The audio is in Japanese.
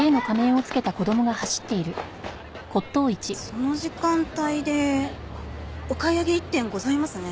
その時間帯でお買い上げ一点ございますね。